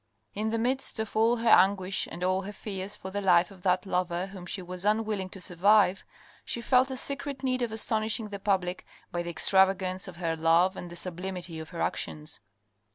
In the midst of all her anguish and all her fears for the life of that lover whom she was unwilling to survive, she felt a secret need of astonishing the public by the extravagance of her love and the sublimity of her actions.